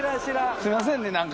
すいませんね何か。